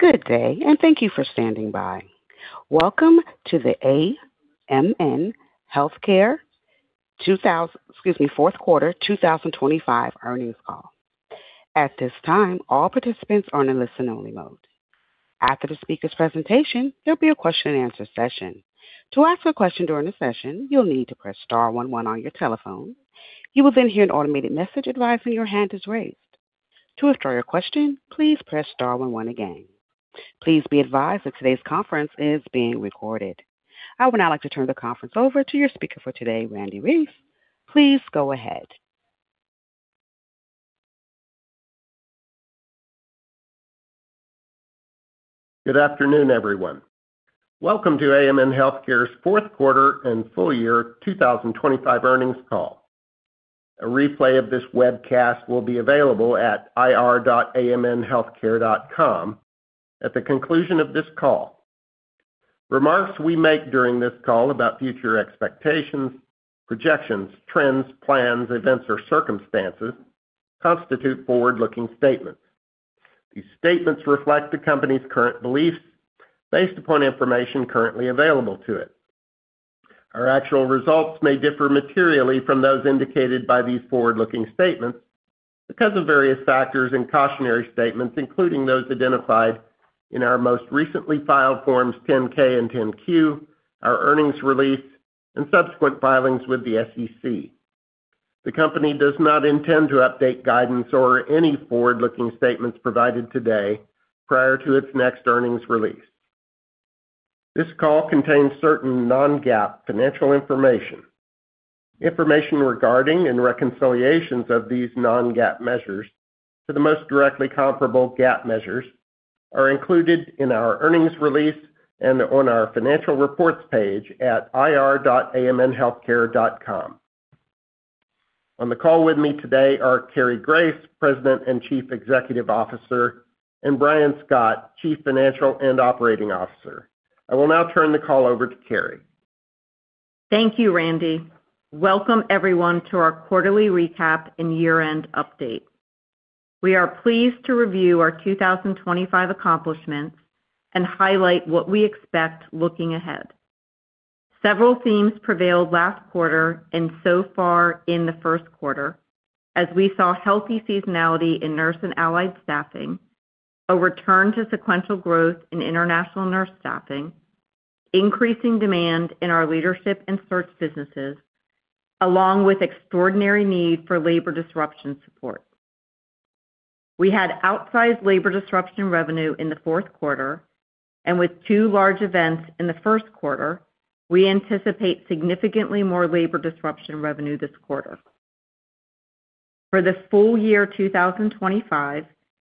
Good day, and thank you for standing by. Welcome to the AMN Healthcare fourth quarter 2025 earnings call. At this time, all participants are in listen-only mode. After the speaker's presentation, there'll be a question-and-answer session. To ask a question during the session, you'll need to press star one one on your telephone. You will then hear an automated message advising your hand is raised. To withdraw your question, please press star one one again. Please be advised that today's conference is being recorded. I would now like to turn the conference over to your speaker for today, Randle Reese. Please go ahead. Good afternoon, everyone. Welcome to AMN Healthcare's fourth quarter and full year 2025 earnings call. A replay of this webcast will be available at ir.amnhealthcare.com at the conclusion of this call. Remarks we make during this call about future expectations, projections, trends, plans, events, or circumstances constitute forward-looking statements. These statements reflect the company's current beliefs based upon information currently available to it. Our actual results may differ materially from those indicated by these forward-looking statements because of various factors and cautionary statements, including those identified in our most recently filed Forms 10-K and 10-Q, our earnings release, and subsequent filings with the SEC. The company does not intend to update guidance or any forward-looking statements provided today prior to its next earnings release. This call contains certain non-GAAP financial information. Information regarding and reconciliations of these non-GAAP measures to the most directly comparable GAAP measures are included in our earnings release and on our financial reports page at ir.amnhealthcare.com. On the call with me today are Cary Grace, President and Chief Executive Officer, and Brian Scott, Chief Financial and Operating Officer. I will now turn the call over to Cary. Thank you, Randy. Welcome everyone to our quarterly recap and year-end update. We are pleased to review our 2025 accomplishments and highlight what we expect looking ahead. Several themes prevailed last quarter and so far in the first quarter, as we saw healthy seasonality in Nurse and Allied staffing, a return to sequential growth in international nurse staffing, increasing demand in our leadership and search businesses, along with extraordinary need for labor disruption support. We had outsized labor disruption revenue in the fourth quarter, and with two large events in the first quarter, we anticipate significantly more labor disruption revenue this quarter. For the full year 2025,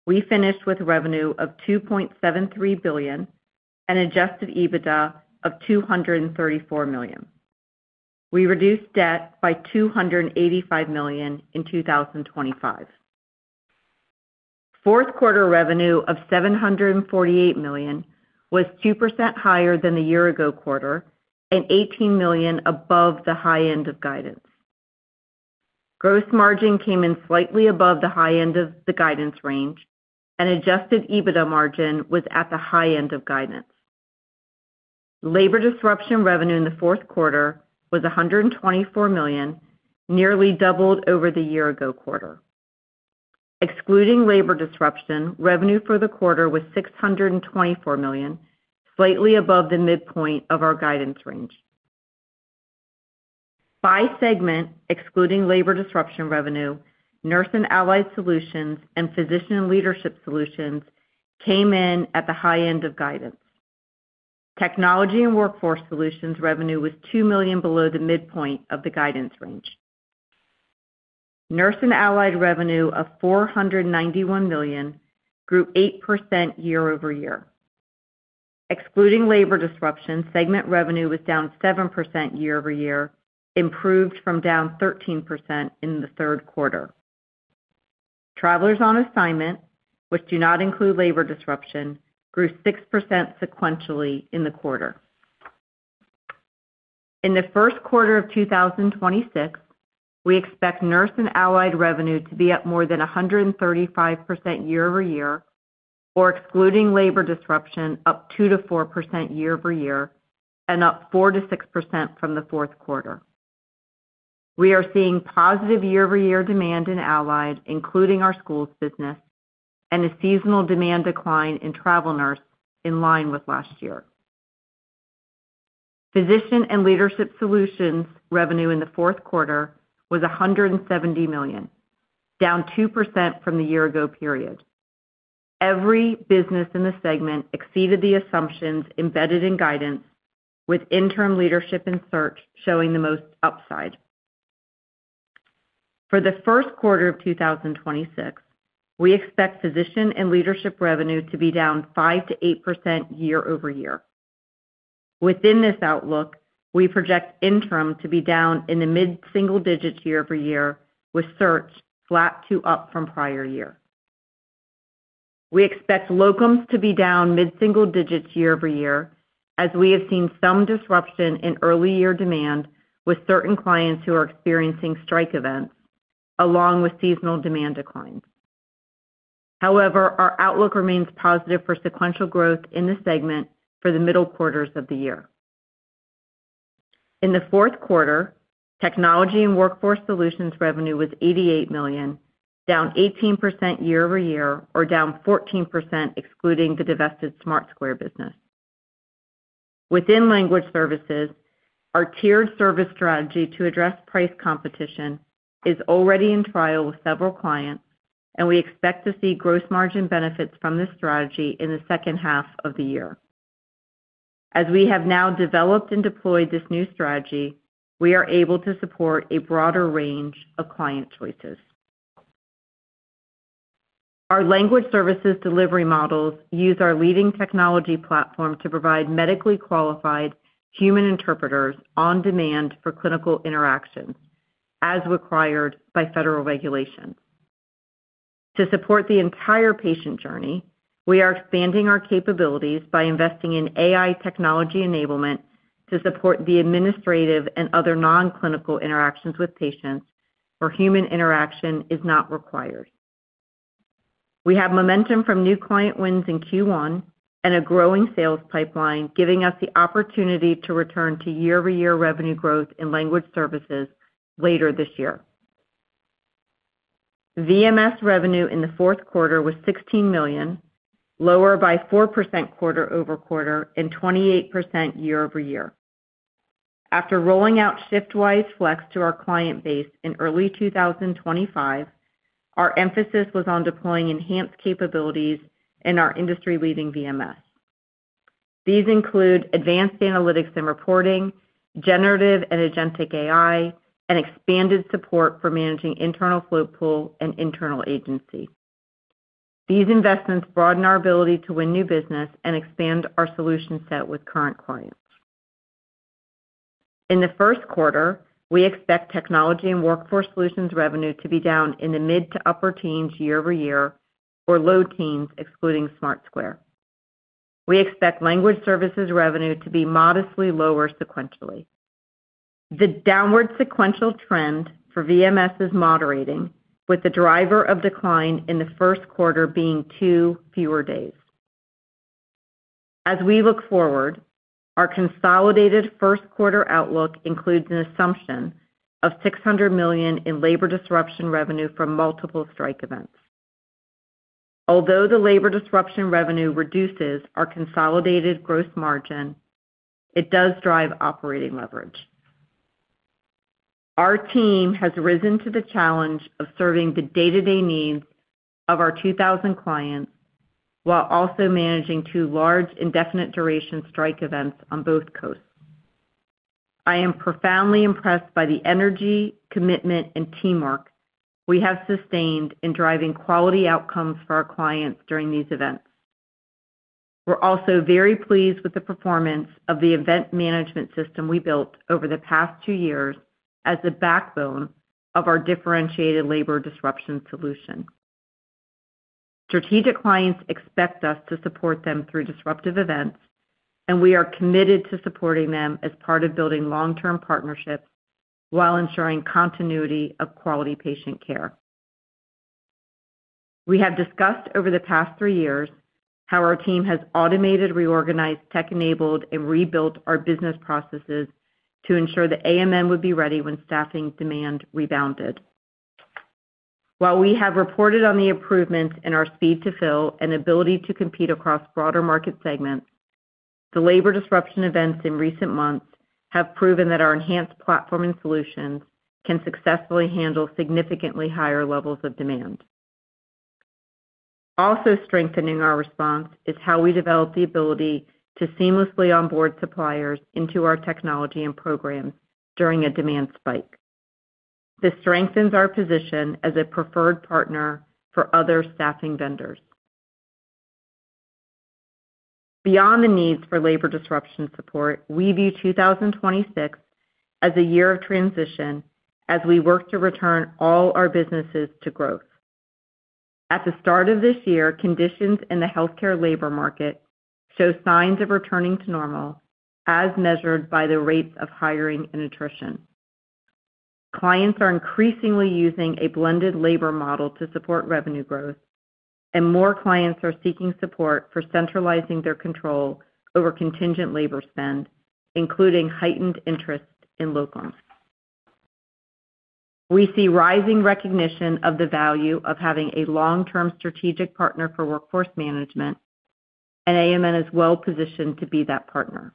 we finished with revenue of $2.73 billion and Adjusted EBITDA of 234 million. We reduced debt by $285 million in 2025. Fourth quarter revenue of $748 million was 2% higher than the year-ago quarter and $18 million above the high end of guidance. Gross margin came in slightly above the high end of the guidance range, and Adjusted EBITDA margin was at the high end of guidance. labor disruption revenue in the fourth quarter was $124 million, nearly doubled over the year-ago quarter. Excluding Labor Disruption, revenue for the quarter was $624 million, slightly above the midpoint of our guidance range. By segment, excluding labor disruption revenue, Nurse and Allied Solutions and Physician and Leadership Solutions came in at the high end of guidance. Technology and Workforce Solutions revenue was $2 million below the midpoint of the guidance range. Nurse and Allied revenue of $491 million grew 8% year-over-year. Excluding labor disruption, segment revenue was down 7% year-over-year, improved from down 13% in the third quarter. Travelers on assignment, which do not include labor disruption, grew 6% sequentially in the quarter. In the first quarter of 2026, we expect Nurse and Allied revenue to be up more than 135% year-over-year, or excluding labor disruption, up 2%-4% year-over-year and up 4%-6% from the fourth quarter. We are seeing positive year-over-year demand in Allied, including our schools business and a seasonal demand decline in Travel Nurse in line with last year. Physician and Leadership Solutions revenue in the fourth quarter was $170 million, down 2% from the year-ago period. Every business in the segment exceeded the assumptions embedded in guidance, with Interim Leadership and Search showing the most upside. For the first quarter of 2026, we expect Physician and Leadership revenue to be down 5%-8% year-over-year. Within this outlook, we project interim to be down in the mid-single digits year-over-year, with search flat to up from prior year. We expect Locums to be down mid-single digits year-over-year, as we have seen some disruption in early year demand with certain clients who are experiencing strike events, along with seasonal demand declines. However, our outlook remains positive for sequential growth in this segment for the middle quarters of the year. In the fourth quarter, Technology and Workforce Solutions revenue was $88 million, down 18% year-over-year, or down 14% excluding the divested Smart Square business. Within language services, our tiered service strategy to address price competition is already in trial with several clients, and we expect to see gross margin benefits from this strategy in the second half of the year. As we have now developed and deployed this new strategy, we are able to support a broader range of client choices. Our language services delivery models use our leading technology platform to provide medically qualified human interpreters on demand for clinical interactions, as required by federal regulations. To support the entire patient journey, we are expanding our capabilities by investing in AI technology enablement to support the administrative and other non-clinical interactions with patients, where human interaction is not required. We have momentum from new client wins in Q1 and a growing sales pipeline, giving us the opportunity to return to year-over-year revenue growth in language services later this year. VMS revenue in the fourth quarter was $16 million, lower by 4% quarter-over-quarter and 28% year-over-year. After rolling out ShiftWise Flex to our client base in early 2025, our emphasis was on deploying enhanced capabilities in our industry-leading VMS. These include advanced analytics and reporting, generative and agentic AI, and expanded support for managing internal float pool and internal agency. These investments broaden our ability to win new business and expand our solution set with current clients. In the first quarter, we expect Technology and Workforce Solutions revenue to be down in the mid- to upper-teens year-over-year, or low-teens, excluding Smart Square. We expect Language Services revenue to be modestly lower sequentially. The downward sequential trend for VMS is moderating, with the driver of decline in the first quarter being two fewer days. As we look forward, our consolidated first quarter outlook includes an assumption of $600 million in labor disruption revenue from multiple strike events. Although the labor disruption revenue reduces our consolidated gross margin, it does drive operating leverage. Our team has risen to the challenge of serving the day-to-day needs of our 2,000 clients, while also managing two large indefinite duration strike events on both coasts. I am profoundly impressed by the energy, commitment, and teamwork we have sustained in driving quality outcomes for our clients during these events. We're also very pleased with the performance of the event management system we built over the past two years as the backbone of our differentiated labor disruption solution. Strategic clients expect us to support them through disruptive events, and we are committed to supporting them as part of building long-term partnerships while ensuring continuity of quality patient care. We have discussed over the past three years how our team has automated, reorganized, tech-enabled, and rebuilt our business processes to ensure that AMN would be ready when staffing demand rebounded. While we have reported on the improvements in our speed to fill and ability to compete across broader market segments, the labor disruption events in recent months have proven that our enhanced platform and solutions can successfully handle significantly higher levels of demand. Also strengthening our response is how we develop the ability to seamlessly onboard suppliers into our technology and programs during a demand spike. This strengthens our position as a preferred partner for other staffing vendors. Beyond the needs for labor disruption support, we view 2026 as a year of transition as we work to return all our businesses to growth. At the start of this year, conditions in the healthcare labor market show signs of returning to normal, as measured by the rates of hiring and attrition. Clients are increasingly using a blended labor model to support revenue growth, and more clients are seeking support for centralizing their control over contingent labor spend, including heightened interest in locals. We see rising recognition of the value of having a long-term strategic partner for workforce management, and AMN is well positioned to be that partner.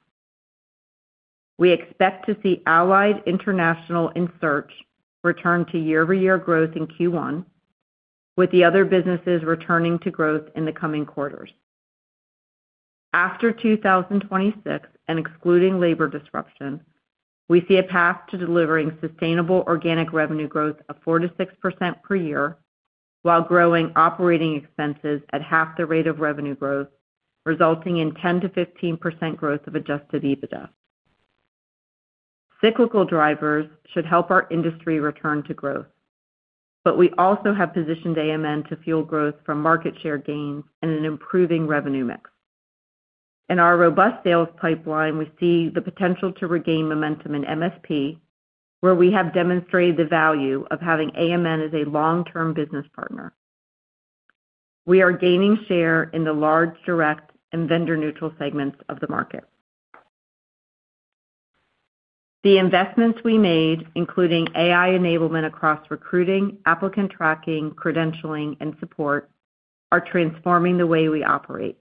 We expect to see Allied, International, and Search return to year-over-year growth in Q1, with the other businesses returning to growth in the coming quarters. After 2026, and excluding labor disruption, we see a path to delivering sustainable organic revenue growth of 4%-6% per year, while growing operating expenses at half the rate of revenue growth, resulting in 10%-15% growth of Adjusted EBITDA. Cyclical drivers should help our industry return to growth, but we also have positioned AMN to fuel growth from market share gains and an improving revenue mix. In our robust sales pipeline, we see the potential to regain momentum in MSP, where we have demonstrated the value of having AMN as a long-term business partner. We are gaining share in the large, direct, and vendor-neutral segments of the market. The investments we made, including AI enablement across recruiting, applicant tracking, credentialing, and support, are transforming the way we operate.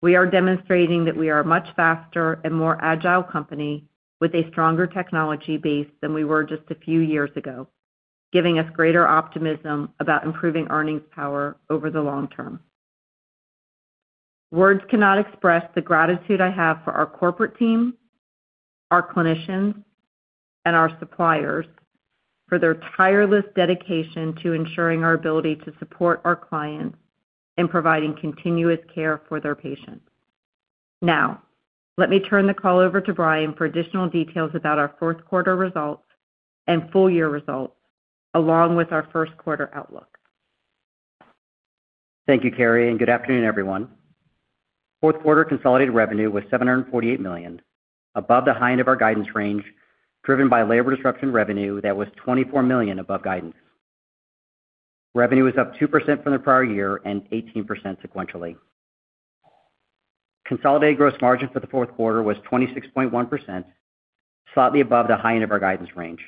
We are demonstrating that we are a much faster and more agile company with a stronger technology base than we were just a few years ago, giving us greater optimism about improving earnings power over the long term. Words cannot express the gratitude I have for our corporate team, our clinicians, and our suppliers for their tireless dedication to ensuring our ability to support our clients in providing continuous care for their patients. Now, let me turn the call over to Brian for additional details about our fourth quarter results and full year results, along with our first quarter outlook. Thank you, Cary, and good afternoon, everyone. Fourth quarter consolidated revenue was $748 million, above the high end of our guidance range, driven by labor disruption revenue that was $24 million above guidance. Revenue was up 2% from the prior year and 18% sequentially. Consolidated gross margin for the fourth quarter was 26.1%, slightly above the high end of our guidance range.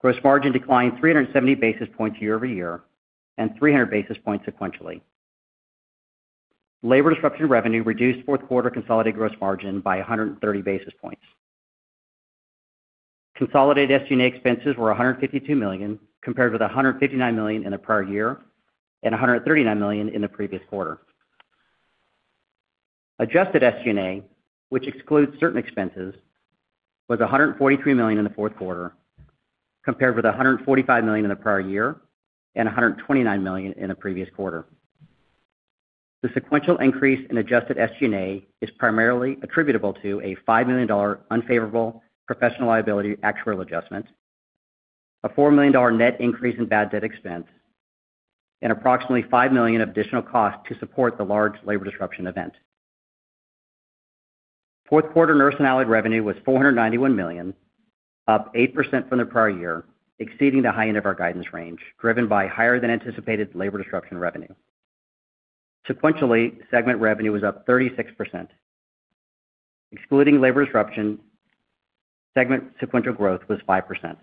Gross margin declined 370 basis points year-over-year and 300 basis points sequentially. Labor disruption revenue reduced fourth quarter consolidated gross margin by 130 basis points. Consolidated SG&A expenses were $152 million, compared with 159 million in the prior year, and $139 million in the previous quarter. Adjusted SG&A, which excludes certain expenses, was $143 million in the fourth quarter, compared with $145 million in the prior year and $129 million in the previous quarter. The sequential increase in Adjusted SG&A is primarily attributable to a $5 million unfavorable professional liability actuarial adjustment, a $4 million net increase in bad debt expense, and approximately $5 million of additional costs to support the large labor disruption event. Fourth quarter Nurse and Allied revenue was $491 million, up 8% from the prior year, exceeding the high end of our guidance range, driven by higher than anticipated labor disruption revenue. Sequentially, segment revenue was up 36%. Excluding labor disruption, segment sequential growth was 5%.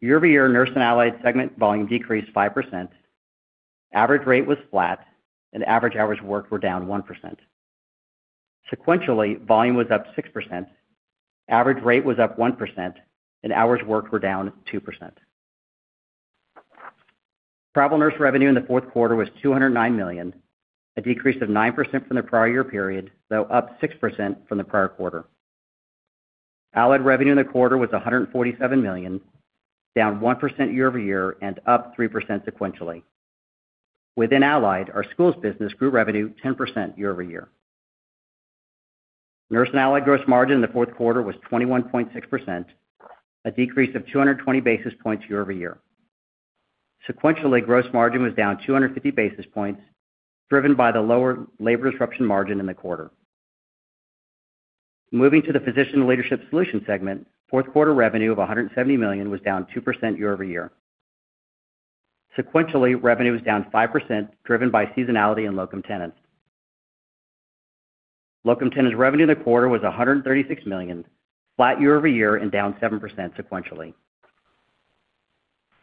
Year-over-year, Nurse and Allied segment volume decreased 5%, average rate was flat, and average hours worked were down 1%. Sequentially, volume was up 6%, average rate was up 1%, and hours worked were down 2%. Travel Nurse revenue in the fourth quarter was $209 million, a decrease of 9% from the prior year period, though up 6% from the prior quarter. Allied revenue in the quarter was $147 million, down 1% year-over-year and up 3% sequentially. Within allied, our schools business grew revenue 10% year-over-year. Nurse and Allied gross margin in the fourth quarter was 21.6%, a decrease of 220 basis points year-over-year. Sequentially, gross margin was down 250 basis points, driven by the lower labor disruption margin in the quarter. Moving to the Physician and Leadership Solutions segment, fourth quarter revenue of $170 million was down 2% year-over-year. Sequentially, revenue was down 5%, driven by seasonality in locum tenens. Locum tenens revenue in the quarter was $136 million, flat year-over-year and down 7% sequentially.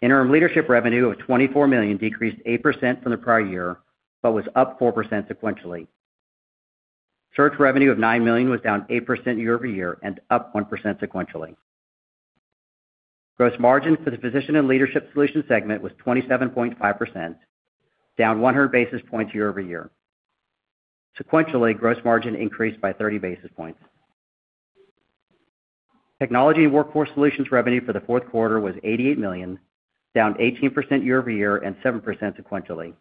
Interim Leadership revenue of $24 million decreased 8% from the prior year, but was up 4% sequentially. Search revenue of $9 million was down 8% year-over-year and up 1% sequentially. Gross margin for the Physician and Leadership Solutions segment was 27.5%, down 100 basis points year-over-year. Sequentially, gross margin increased by 30 basis points. Technology and Workforce Solutions revenue for the fourth quarter was $88 million, down 18% year-over-year and 7% sequentially.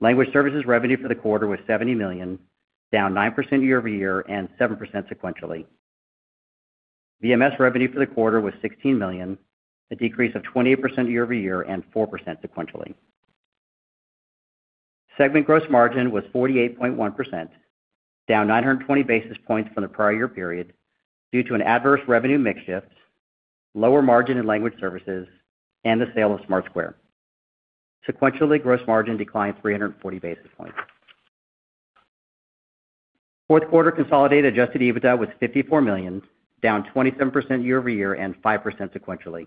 Language Services revenue for the quarter was $70 million, down 9% year-over-year and 7% sequentially. VMS revenue for the quarter was $16 million, a decrease of 28% year-over-year and 4% sequentially. Segment gross margin was 48.1%, down 920 basis points from the prior year period due to an adverse revenue mix shift, lower margin in Language Services, and the sale of Smart Square. Sequentially, gross margin declined 340 basis points. Fourth quarter consolidated Adjusted EBITDA was $54 million, down 27% year-over-year and 5% sequentially.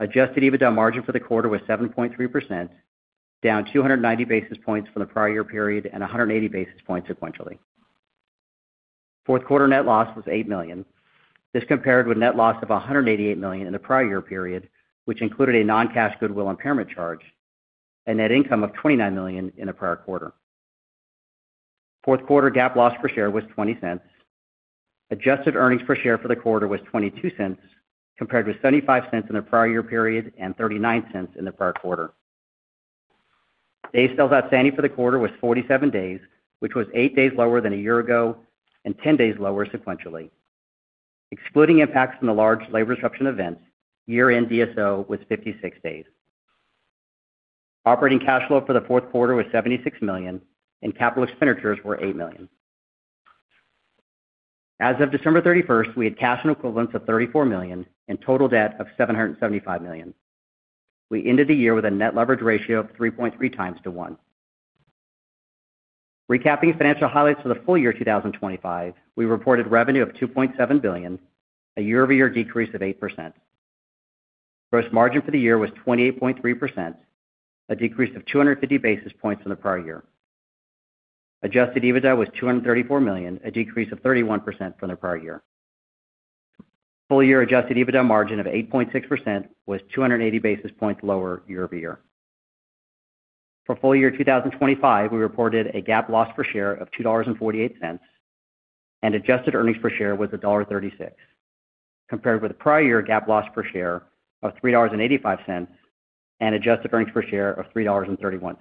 Adjusted EBITDA margin for the quarter was 7.3%, down 290 basis points from the prior year period and 180 basis points sequentially. Fourth quarter net loss was $8 million. This compared with net loss of $188 million in the prior year period, which included a non-cash goodwill impairment charge and net income of $29 million in the prior quarter. Fourth quarter GAAP loss per share was $0.20. Adjusted earnings per share for the quarter was $0.22, compared with 0.75 in the prior year period and $0.39 in the prior quarter. Days sales outstanding for the quarter was 47 days, which was eight days lower than a year ago and 10 days lower sequentially. Excluding impacts from the large labor disruption events, year-end DSO was 56 days. Operating cash flow for the fourth quarter was $76 million, and capital expenditures were $8 million. As of December 31st, we had cash and equivalents of $34 million and total debt of $775 million. We ended the year with a net leverage ratio of 3.3x. Recapping financial highlights for the full year 2025, we reported revenue of $2.7 billion, a year-over-year decrease of 8%. Gross margin for the year was 28.3%, a decrease of 250 basis points from the prior year. Adjusted EBITDA was $234 million, a decrease of 31% from the prior year. Full year Adjusted EBITDA margin of 8.6% was 280 basis points lower year-over-year. For full year 2025, we reported a GAAP loss per share of $2.48, and adjusted earnings per share was $1.36, compared with the prior year GAAP loss per share of $3.85, and adjusted earnings per share of $3.31.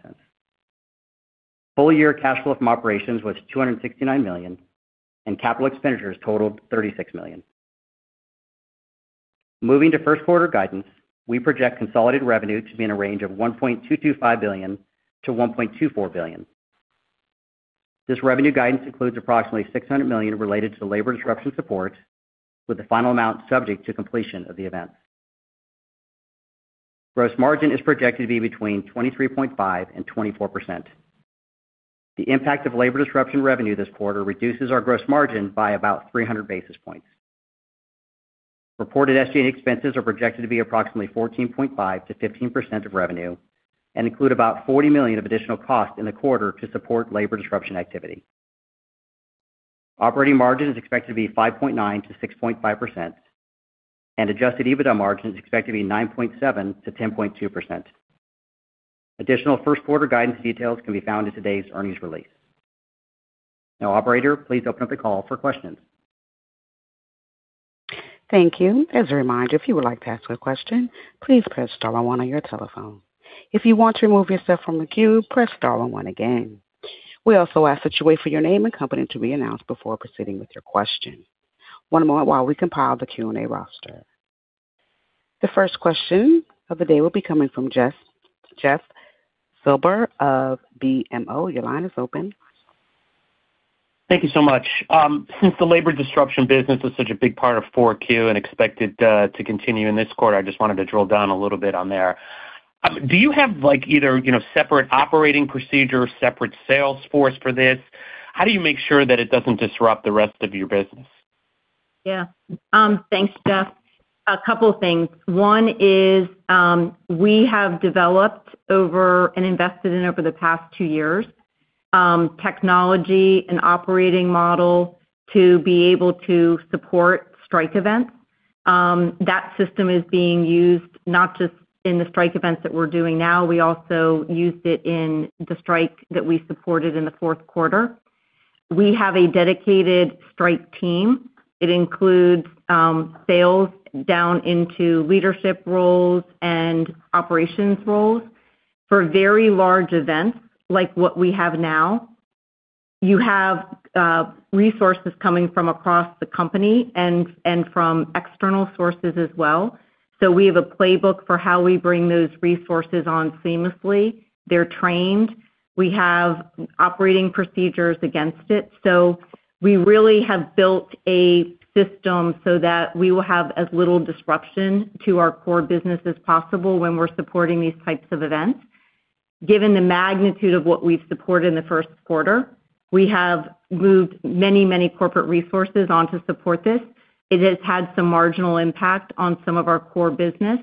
Full year cash flow from operations was $269 million, and capital expenditures totaled $36 million. Moving to first quarter guidance, we project consolidated revenue to be in a range of $1.225 billion-1.24 billion. This revenue guidance includes approximately $600 million related to labor disruption support, with the final amount subject to completion of the event. Gross margin is projected to be between 23.5% and 24%. The impact of labor disruption revenue this quarter reduces our gross margin by about 300 basis points. Reported SG&A expenses are projected to be approximately 14.5%-15% of revenue and include about $40 million of additional costs in the quarter to support labor disruption activity. Operating margin is expected to be 5.9%-6.5%, and Adjusted EBITDA margin is expected to be 9.7%-10.2%. Additional first quarter guidance details can be found in today's earnings release. Now, operator, please open up the call for questions. Thank you. As a reminder, if you would like to ask a question, please press star one on your telephone. If you want to remove yourself from the queue, press star and one again. We also ask that you wait for your name and company to be announced before proceeding with your question. One moment while we compile the Q&A roster. The first question of the day will be coming from Jeff, Jeff Silber of BMO. Your line is open. Thank you so much. Since the labor disruption business is such a big part of 4Q and expected to continue in this quarter, I just wanted to drill down a little bit on there. Do you have, like, either, you know, separate operating procedures, separate sales force for this? How do you make sure that it doesn't disrupt the rest of your business? Yeah. Thanks, Jeff. A couple of things. One is, we have developed over and invested in over the past two years, technology and operating model to be able to support strike events. That system is being used not just in the strike events that we're doing now, we also used it in the strike that we supported in the fourth quarter. We have a dedicated strike team. It includes, sales down into leadership roles and operations roles. For very large events, like what we have now, you have, resources coming from across the company and from external sources as well. So we have a playbook for how we bring those resources on seamlessly. They're trained. We have operating procedures against it. So we really have built a system so that we will have as little disruption to our core business as possible when we're supporting these types of events. Given the magnitude of what we've supported in the first quarter, we have moved many, many corporate resources on to support this. It has had some marginal impact on some of our core business,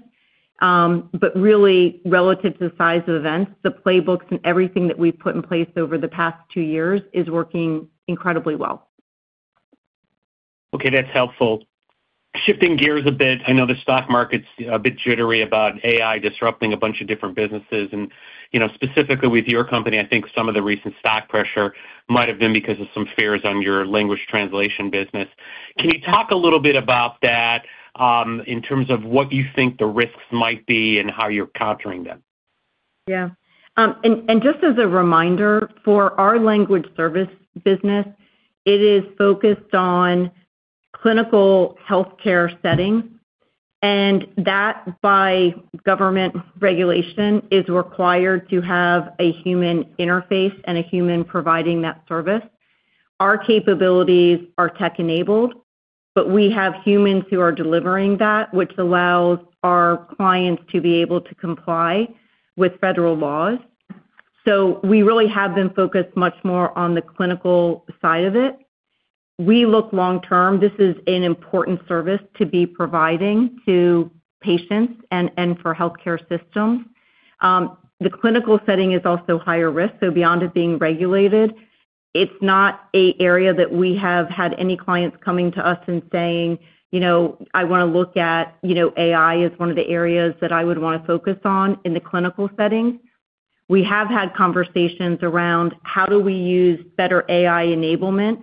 but really, relative to the size of events, the playbooks and everything that we've put in place over the past two years is working incredibly well. Okay, that's helpful. Shifting gears a bit, I know the stock market's a bit jittery about AI disrupting a bunch of different businesses, and you know, specifically with your company, I think some of the recent stock pressure might have been because of some fears on your language translation business. Can you talk a little bit about that, in terms of what you think the risks might be and how you're countering them? Yeah. And just as a reminder, for our language service business, it is focused on clinical healthcare settings, and that, by government regulation, is required to have a human interface and a human providing that service. Our capabilities are tech-enabled, but we have humans who are delivering that, which allows our clients to be able to comply with federal laws. So we really have been focused much more on the clinical side of it. We look long-term. This is an important service to be providing to patients and for healthcare systems. The clinical setting is also higher risk, so beyond it being regulated, it's not an area that we have had any clients coming to us and saying, "You know, I want to look at, you know, AI as one of the areas that I would want to focus on in the clinical setting." We have had conversations around how do we use better AI enablement,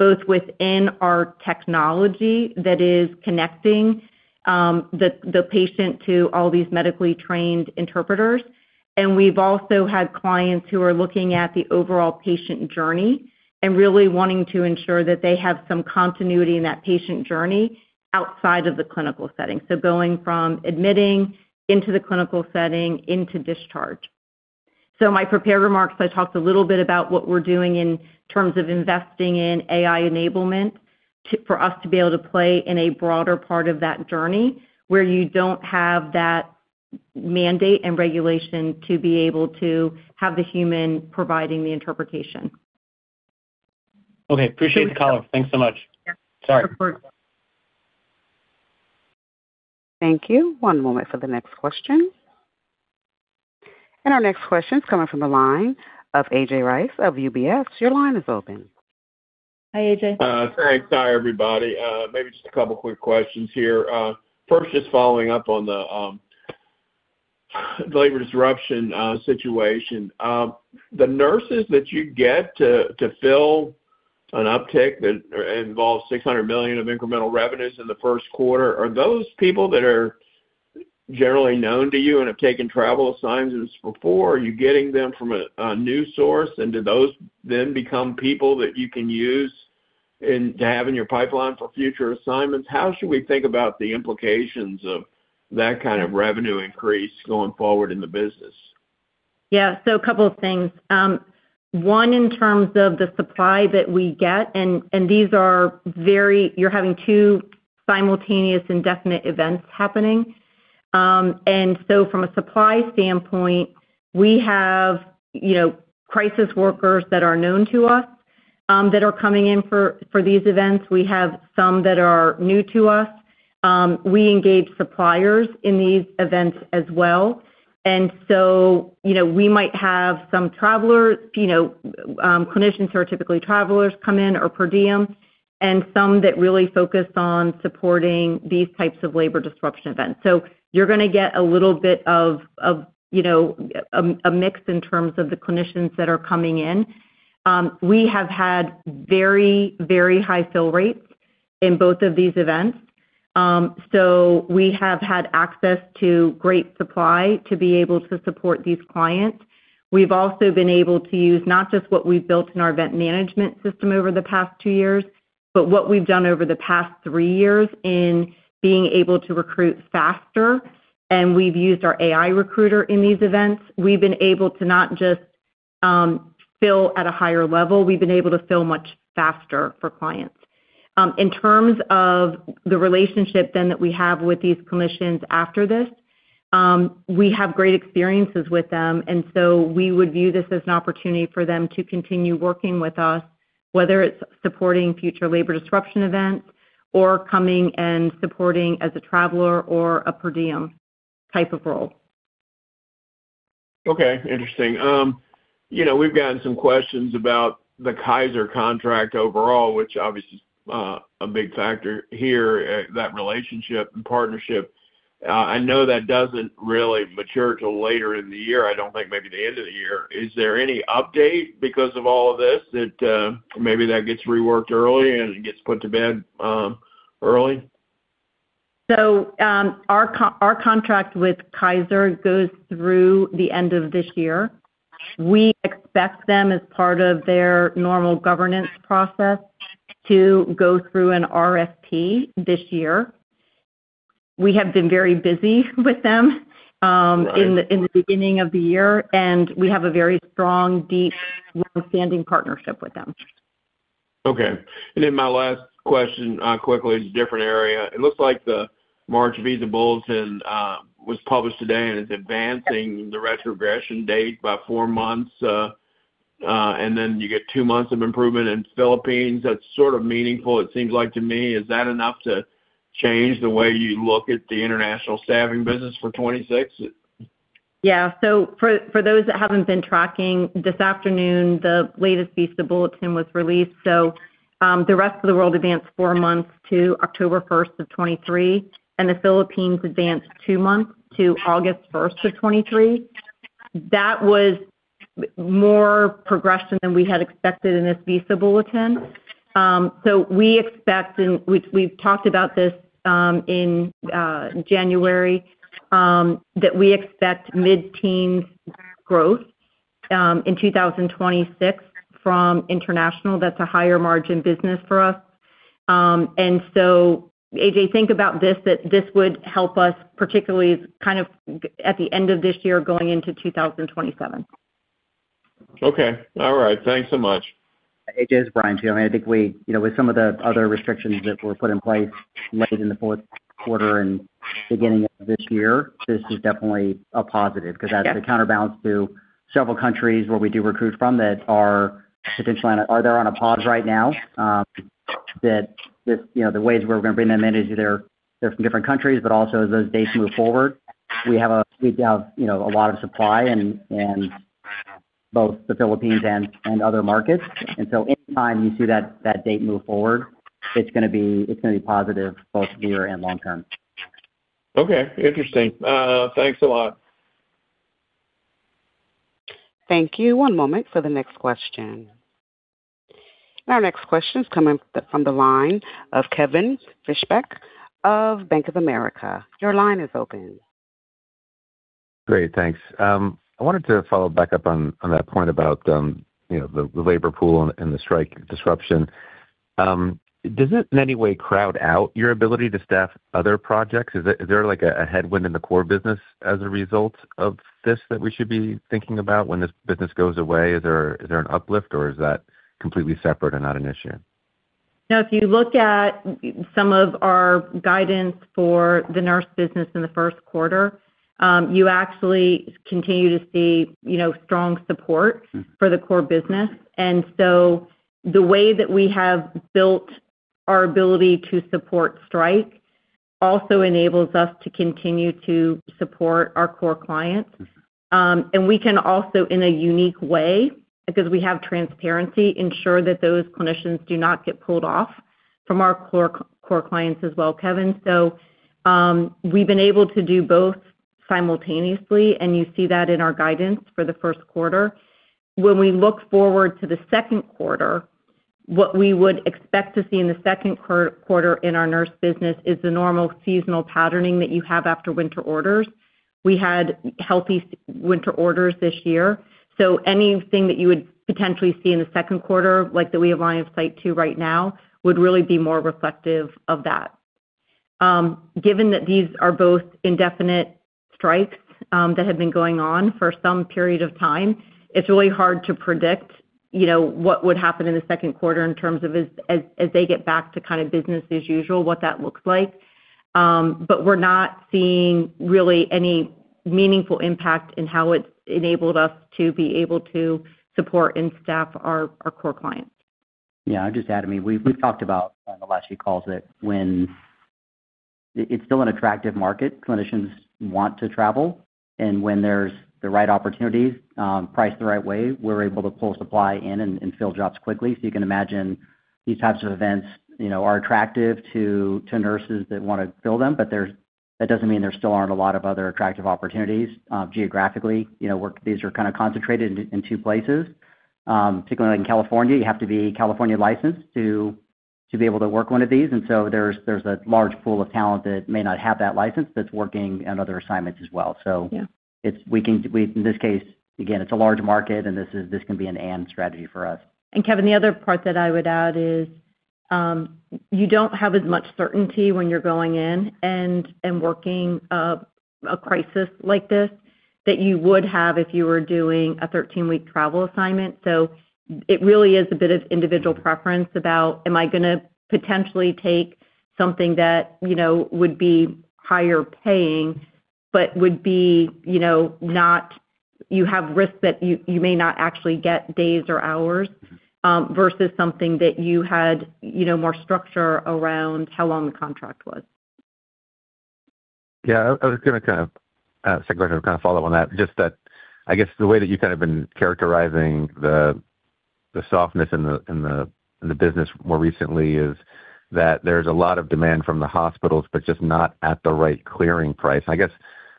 both within our technology that is connecting the patient to all these medically trained interpreters. We've also had clients who are looking at the overall patient journey and really wanting to ensure that they have some continuity in that patient journey outside of the clinical setting. So going from admitting into the clinical setting into discharge. My prepared remarks, I talked a little bit about what we're doing in terms of investing in AI enablement to - for us to be able to play in a broader part of that journey, where you don't have that mandate and regulation to be able to have the human providing the interpretation. Okay, appreciate the call. Thanks so much. Sorry. Thank you. One moment for the next question. Our next question is coming from the line of A.J. Rice of UBS. Your line is open. Hi, A.J. Thanks. Hi, everybody. Maybe just a couple of quick questions here. First, just following up on the labor disruption situation. The nurses that you get to fill an uptick that involves $600 million of incremental revenues in the first quarter, are those people that are generally known to you and have taken travel assignments before? Are you getting them from a new source, and do those then become people that you can use and to have in your pipeline for future assignments? How should we think about the implications of that kind of revenue increase going forward in the business? Yeah, so a couple of things. One, in terms of the supply that we get, and these are very—you're having two simultaneous indefinite events happening. And so from a supply standpoint, we have, you know, crisis workers that are known to us, that are coming in for these events. We have some that are new to us. We engage suppliers in these events as well. And so, you know, we might have some travelers, you know, clinicians who are typically travelers come in or per diem, and some that really focus on supporting these types of labor disruption events. So you're gonna get a little bit of, you know, a mix in terms of the clinicians that are coming in. We have had very, very high fill rates in both of these events. So we have had access to great supply to be able to support these clients. We've also been able to use not just what we've built in our event management system over the past two years, but what we've done over the past three years in being able to recruit faster, and we've used our AI recruiter in these events. We've been able to not just fill at a higher level, we've been able to fill much faster for clients. In terms of the relationship then that we have with these clinicians after this, we have great experiences with them, and so we would view this as an opportunity for them to continue working with us, whether it's supporting future labor disruption events or coming and supporting as a traveler or a per diem type of role. Okay, interesting. You know, we've gotten some questions about the Kaiser contract overall, which obviously, a big factor here, that relationship and partnership. I know that doesn't really mature till later in the year. I don't think maybe the end of the year. Is there any update because of all of this, that, maybe that gets reworked early and gets put to bed, early? Our contract with Kaiser goes through the end of this year. We expect them, as part of their normal governance process, to go through an RFP this year. We have been very busy with them. Right In the beginning of the year, and we have a very strong, deep, long-standing partnership with them. Okay. And then my last question, quickly, is a different area. It looks like the March Visa Bulletin was published today, and it's advancing the retrogression date by four months, and then you get two months of improvement in Philippines. That's sort of meaningful, it seems like to me. Is that enough to change the way you look at the international staffing business for 2026? Yeah. So for those that haven't been tracking, this afternoon, the latest Visa Bulletin was released. So, the rest of the world advanced four months to October 1, 2023, and the Philippines advanced two months to August 1st, 2023. That was more progression than we had expected in this Visa Bulletin. So we expect, and we, we've talked about this, in January, that we expect mid-teen growth in 2026 from international. That's a higher margin business for us. And so A.J., think about this, that this would help us, particularly kind of at the end of this year, going into 2027. Okay. All right. Thanks so much. A.J., it's Brian, too. I think we, you know, with some of the other restrictions that were put in place late in the fourth quarter and beginning of this year, this is definitely a positive- Yeah Because that's a counterbalance to several countries where we do recruit from that are potentially on a pause right now. That, you know, the ways we're going to bring them in is either they're from different countries, but also as those dates move forward, we have, you know, a lot of supply and both the Philippines and other markets. And so anytime you see that date move forward, it's gonna be positive, both near and long term. Okay. Interesting. Thanks a lot. Thank you. One moment for the next question. Our next question is coming from the line of Kevin Fischbeck of Bank of America. Your line is open. Great, thanks. I wanted to follow back up on that point about you know, the labor pool and the strike disruption. Does it in any way crowd out your ability to staff other projects? Is there like a headwind in the core business as a result of this that we should be thinking about when this business goes away? Is there an uplift, or is that completely separate and not an issue? Now, if you look at some of our guidance for the nurse business in the first quarter, you actually continue to see, you know, strong support for the core business. And so the way that we have built our ability to support strike also enables us to continue to support our core clients. And we can also, in a unique way, because we have transparency, ensure that those clinicians do not get pulled off from our core clients as well, Kevin. So, we've been able to do both simultaneously, and you see that in our guidance for the first quarter. When we look forward to the second quarter, what we would expect to see in the second quarter in our nurse business is the normal seasonal patterning that you have after winter orders. We had healthy winter orders this year, so anything that you would potentially see in the second quarter, like that we have line of sight to right now, would really be more reflective of that. Given that these are both indefinite strikes that have been going on for some period of time, it's really hard to predict, you know, what would happen in the second quarter in terms of as they get back to kind of business as usual, what that looks like. But we're not seeing really any meaningful impact in how it's enabled us to be able to support and staff our core clients. Yeah, I'll just add, I mean, we've talked about on the last few calls. It's still an attractive market, clinicians want to travel, and when there's the right opportunities, priced the right way, we're able to pull supply in and fill jobs quickly. So you can imagine these types of events, you know, are attractive to nurses that wanna fill them, but that doesn't mean there still aren't a lot of other attractive opportunities, geographically. You know, where these are kind of concentrated in two places. Particularly in California, you have to be California licensed to be able to work one of these, and so there's a large pool of talent that may not have that license that's working on other assignments as well, so- Yeah. In this case, again, it's a large market, and this can be an and strategy for us. And Kevin, the other part that I would add is, you don't have as much certainty when you're going in and working a crisis like this, that you would have if you were doing a 13-week travel assignment. So it really is a bit of individual preference about, am I gonna potentially take something that, you know, would be higher paying, but would be, you know, not. You have risk that you, you may not actually get days or hours, versus something that you had, you know, more structure around how long the contract was. Yeah, I was gonna kind of segue to kind of follow on that. Just that, I guess the way that you've kind of been characterizing the softness in the business more recently, is that there's a lot of demand from the hospitals, but just not at the right clearing price. I guess,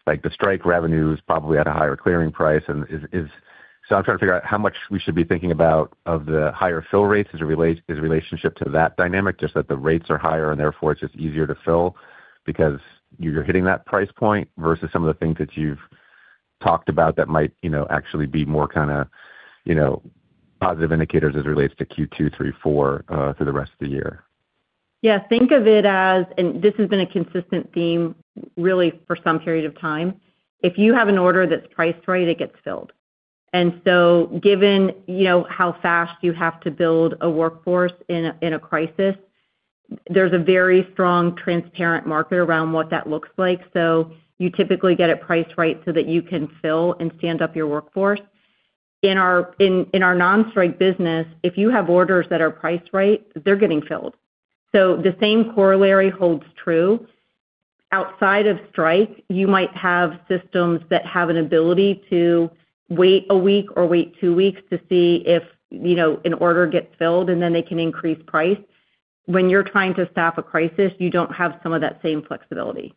like, the strike revenue is probably at a higher clearing price and is— So I'm trying to figure out how much we should be thinking about of the higher fill rates as a relationship to that dynamic, just that the rates are higher and therefore it's just easier to fill because you're hitting that price point, versus some of the things that you've talked about that might, you know, actually be more kinda, you know, positive indicators as it relates to Q2, three, four, for the rest of the year. Yeah, think of it as, and this has been a consistent theme really for some period of time. If you have an order that's priced right, it gets filled. And so, given, you know, how fast you have to build a workforce in a crisis, there's a very strong, transparent market around what that looks like. So you typically get it priced right so that you can fill and stand up your workforce. In our non-strike business, if you have orders that are priced right, they're getting filled. So the same corollary holds true. Outside of strike, you might have systems that have an ability to wait a week or wait two weeks to see if, you know, an order gets filled, and then they can increase price. When you're trying to staff a crisis, you don't have some of that same flexibility.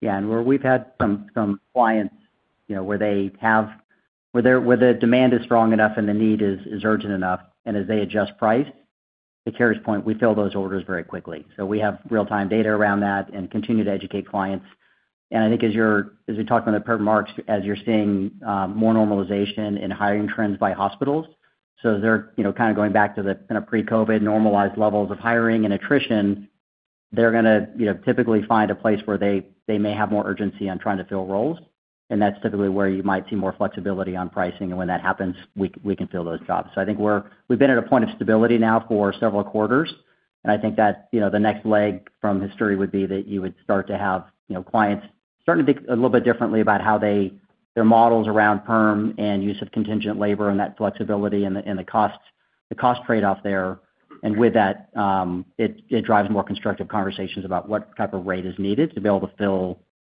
Yeah, and where we've had some clients, you know, where the demand is strong enough and the need is urgent enough, and as they adjust price, to Cary's point, we fill those orders very quickly. So we have real-time data around that and continue to educate clients. And I think as we talked about the perm marks, as you're seeing more normalization in hiring trends by hospitals, so they're, you know, kind of going back to the pre-COVID normalized levels of hiring and attrition, they're gonna, you know, typically find a place where they may have more urgency on trying to fill roles. And that's typically where you might see more flexibility on pricing. And when that happens, we can fill those jobs. So I think we've been at a point of stability now for several quarters, and I think that, you know, the next leg from history would be that you would start to have, you know, clients starting to think a little bit differently about how they, their models around perm and use of contingent labor and that flexibility and the, and the costs, the cost trade-off there. And with that, it drives more constructive conversations about what type of rate is needed to be able to fill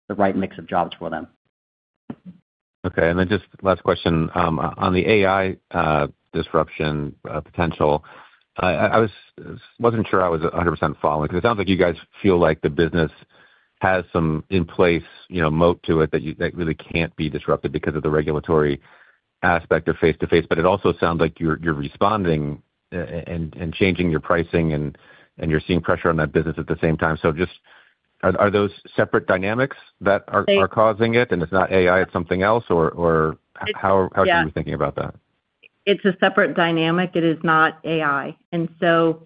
the right mix of jobs for them. Okay, and then just last question. On the AI disruption potential, I wasn't sure I was 100% following, because it sounds like you guys feel like the business has some in place, you know, moat to it that really can't be disrupted because of the regulatory aspect of face-to-face. But it also sounds like you're responding and changing your pricing, and you're seeing pressure on that business at the same time. So just, are those separate dynamics that are- They- Are causing it? And it's not AI, it's something else, or, or how- Yeah. How are you thinking about that? It's a separate dynamic. It is not AI. And so,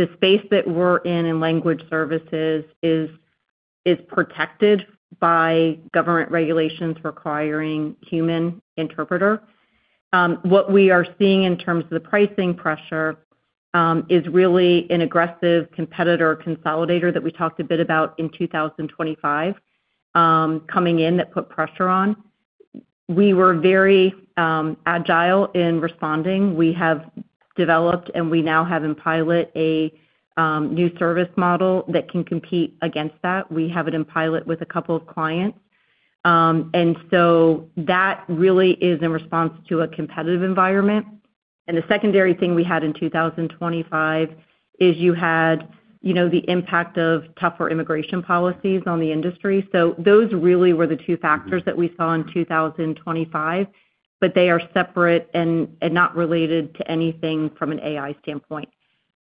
the space that we're in, in language services is protected by government regulations requiring human interpreter. What we are seeing in terms of the pricing pressure is really an aggressive competitor consolidator that we talked a bit about in 2025, coming in that put pressure on. We were very agile in responding. We have developed, and we now have in pilot a new service model that can compete against that. We have it in pilot with a couple of clients. And so that really is in response to a competitive environment. And the secondary thing we had in 2025 is you had, you know, the impact of tougher immigration policies on the industry. So those really were the two factors that we saw in 2025, but they are separate and not related to anything from an AI standpoint.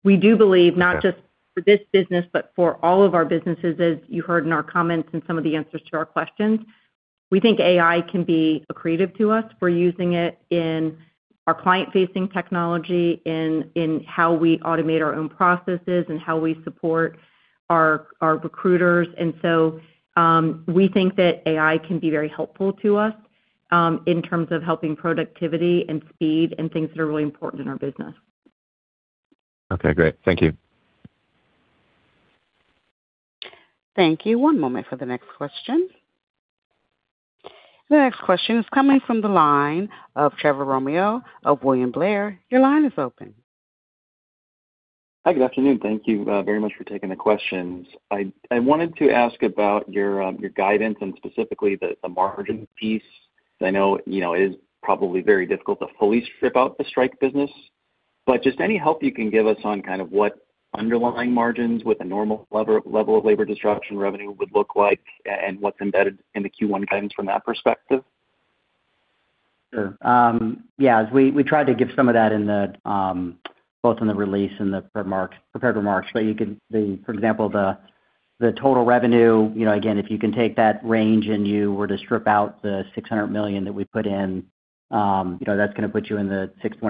We do believe- Okay. Not just for this business, but for all of our businesses, as you heard in our comments and some of the answers to our questions, we think AI can be accretive to us. We're using it in our client-facing technology, in how we automate our own processes, and how we support our recruiters. And so, we think that AI can be very helpful to us, in terms of helping productivity and speed and things that are really important in our business. Okay, great. Thank you. Thank you. One moment for the next question. The next question is coming from the line of Trevor Romeo of William Blair. Your line is open. Hi, good afternoon. Thank you, very much for taking the questions. I wanted to ask about your guidance and specifically the margin piece. I know, you know, it is probably very difficult to fully strip out the strike business, but just any help you can give us on kind of what underlying margins with a normal level of labor disruption revenue would look like and what's embedded in the Q1 guidance from that perspective? Sure. Yeah, as we tried to give some of that in the both in the release and the prepared remarks. But you can, for example, the total revenue, you know, again, if you can take that range and you were to strip out the $600 million that we put in, you know, that's gonna put you in the $625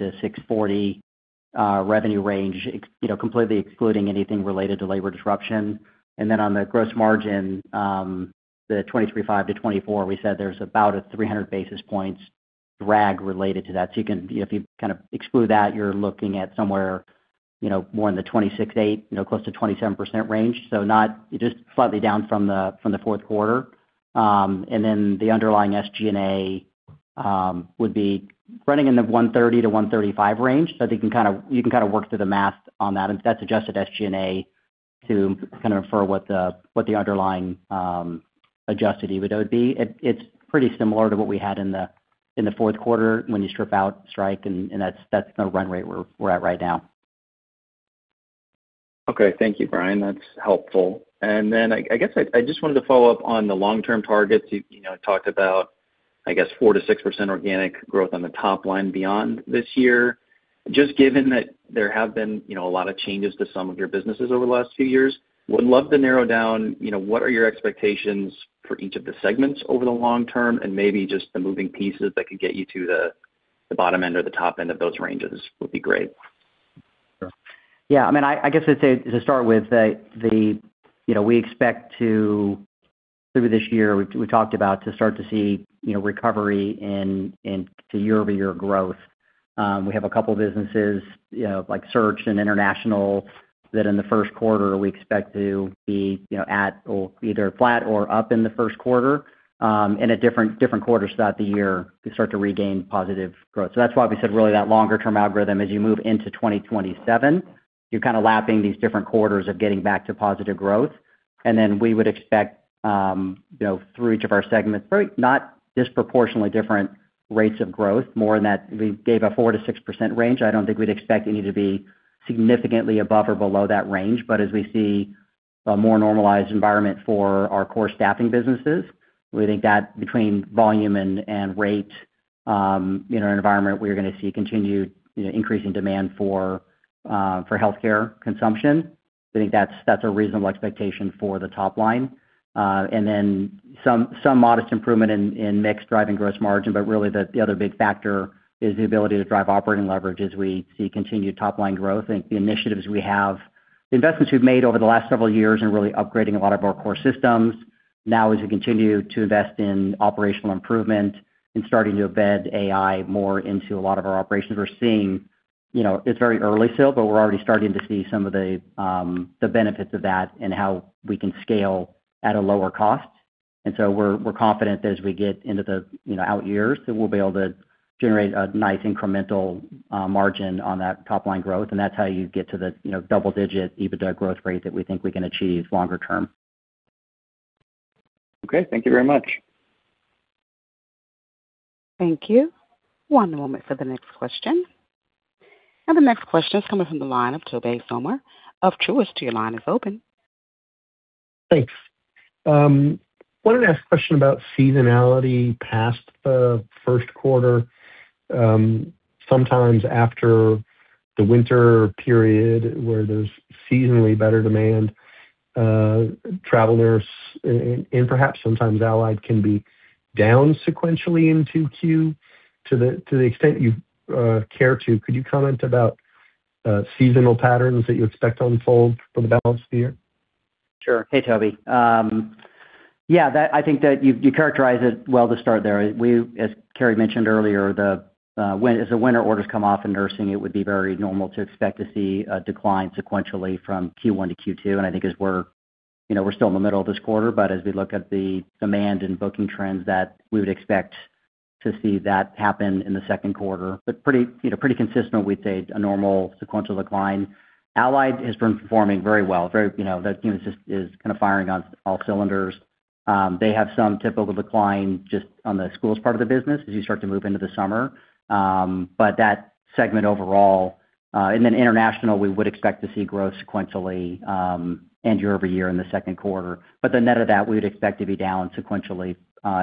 million-640 million revenue range, ex- you know, completely excluding anything related to labor disruption. And then on the gross margin, the 23.5%-24%, we said there's about a 300 basis points drag related to that. So you can, if you kind of exclude that, you're looking at somewhere, you know, more in the 26.8%, you know, close to 27% range. So not just slightly down from the fourth quarter. And then the underlying SG&A would be running in the $130-135 range. So I think you can kinda, you can kinda work through the math on that, and that's adjusted SG&A to kind of refer what the, what the underlying Adjusted EBITDA would be. It's pretty similar to what we had in the, in the fourth quarter when you strip out strike, and that's the run rate we're at right now. Okay. Thank you, Brian. That's helpful. And then I guess I just wanted to follow up on the long-term targets. You know talked about, I guess, 4%-6% organic growth on the top line beyond this year. Just given that there have been, you know, a lot of changes to some of your businesses over the last few years, would love to narrow down, you know, what are your expectations for each of the segments over the long term, and maybe just the moving pieces that could get you to the bottom end or the top end of those ranges would be great. Sure. Yeah, I mean, I guess I'd say to start with the, you know, we expect to, through this year, we talked about to start to see, you know, recovery in to year-over-year growth. We have a couple businesses, you know, like Search and International, that in the first quarter we expect to be, you know, at or either flat or up in the first quarter, in a different quarter start the year, we start to regain positive growth. So that's why we said really that longer term algorithm, as you move into 2027, you're kind of lapping these different quarters of getting back to positive growth. And then we would expect, you know, through each of our segments, very not disproportionately different rates of growth, more in that we gave a 4%-6% range. I don't think we'd expect any to be significantly above or below that range. But as we see a more normalized environment for our core staffing businesses, we think that between volume and rate, in our environment, we're gonna see continued, you know, increasing demand for, for healthcare consumption. I think that's, that's a reasonable expectation for the top line. And then some, some modest improvement in, in mixed driving gross margin, but really the, the other big factor is the ability to drive operating leverage as we see continued top-line growth. I think the initiatives we have, the investments we've made over the last several years and really upgrading a lot of our core systems. Now, as we continue to invest in operational improvement and starting to embed AI more into a lot of our operations, we're seeing, you know, it's very early still, but we're already starting to see some of the, the benefits of that and how we can scale at a lower cost. And so we're, we're confident that as we get into the, you know, out years, that we'll be able to generate a nice incremental, margin on that top-line growth, and that's how you get to the, you know, double-digit EBITDA growth rate that we think we can achieve longer term. Okay, thank you very much. Thank you. One moment for the next question. The next question is coming from the line of Tobey Sommer of Truist. Your line is open. Thanks. Wanted to ask a question about seasonality past the first quarter. Sometimes after the winter period where there's seasonally better demand, Travel Nurse and perhaps sometimes Allied can be down sequentially in 2Q. To the extent you care to, could you comment about seasonal patterns that you expect to unfold for the balance of the year? Sure. Hey, Toby. Yeah, I think that you characterize it well to start there. We, as Cary mentioned earlier, as the winter orders come off in nursing, it would be very normal to expect to see a decline sequentially from Q1 to Q2. And I think as we're, you know, we're still in the middle of this quarter, but as we look at the demand and booking trends, that we would expect to see that happen in the second quarter. But pretty, you know, pretty consistent with, say, a normal sequential decline. Allied has been performing very well. Very, you know, the unit just is kind of firing on all cylinders. They have some typical decline just on the schools part of the business as you start to move into the summer. But that segment overall. Then international, we would expect to see growth sequentially, and year over year in the second quarter. But the net of that, we would expect to be down sequentially,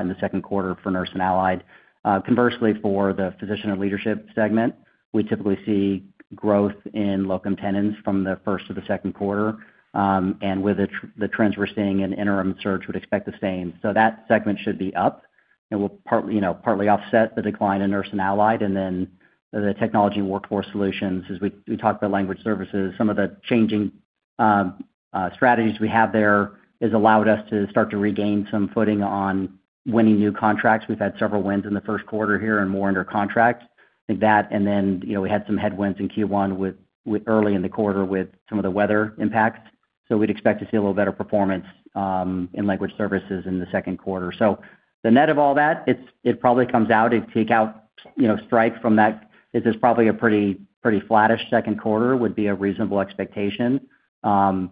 in the second quarter for Nurse and Allied. Conversely, for the Physician and Leadership segment, we typically see growth in locum tenens from the first to the second quarter. And with the trends we're seeing in interim search, would expect the same. So that segment should be up, and we'll, you know, partly offset the decline in Nurse and Allied, and then the Technology and Workforce Solutions, as we talked about language services. Some of the changing strategies we have there has allowed us to start to regain some footing on winning new contracts. We've had several wins in the first quarter here and more under contract. I think that, and then, you know, we had some headwinds in Q1 with early in the quarter with some of the weather impacts. So we'd expect to see a little better performance in language services in the second quarter. So the net of all that, it probably comes out and take out, you know, strike from that, is just probably a pretty, pretty flattish second quarter would be a reasonable expectation,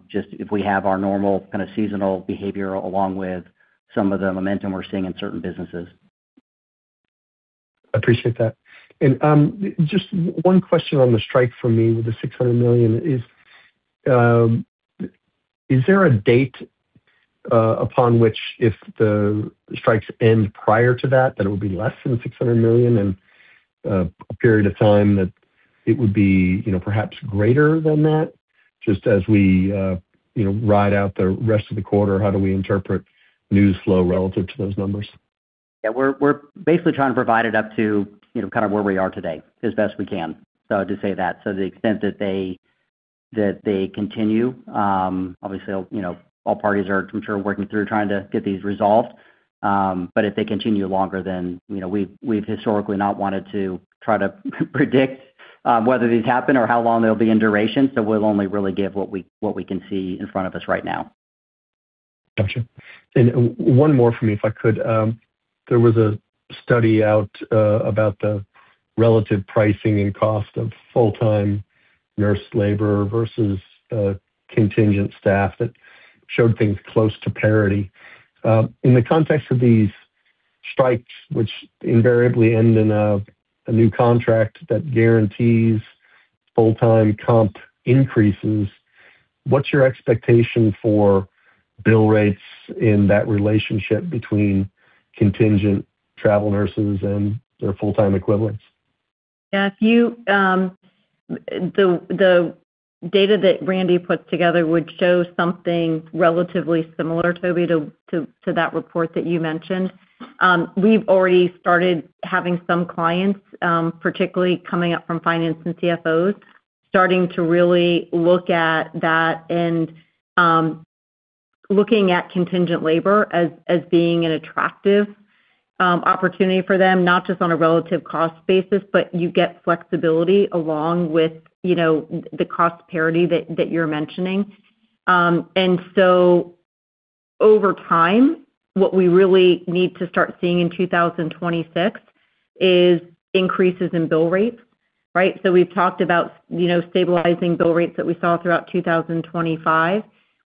just if we have our normal kind of seasonal behavior, along with some of the momentum we're seeing in certain businesses. Appreciate that. Just one question on the strike for me, with the $600 million, is there a date upon which if the strikes end prior to that, then it will be less than $600 million and, a period of time that it would be, you know, perhaps greater than that? Just as we, you know, ride out the rest of the quarter, how do we interpret news flow relative to those numbers? Yeah, we're basically trying to provide it up to, you know, kind of where we are today as best we can. So I'll just say that. So to the extent that they continue, obviously, you know, all parties are, I'm sure, working through trying to get these resolved. But if they continue longer, then, you know, we've historically not wanted to try to predict whether these happen or how long they'll be in duration, so we'll only really give what we can see in front of us right now. Gotcha. One more for me, if I could. There was a study out about the relative pricing and cost of full-time nurse labor versus contingent staff that showed things close to parity. In the context of these strikes, which invariably end in a new contract that guarantees full-time comp increases, what's your expectation for bill rates in that relationship between contingent Travel Nurses and their full-time equivalents? Yeah, if you. The data that Randy put together would show something relatively similar, Tobey, to that report that you mentioned. We've already started having some clients, particularly coming up from finance and CFOs, starting to really look at that and looking at contingent labor as being an attractive opportunity for them, not just on a relative cost basis, but you get flexibility along with, you know, the cost parity that you're mentioning. And so over time, what we really need to start seeing in 2026 is increases in bill rates, right? So we've talked about, you know, stabilizing bill rates that we saw throughout 2025.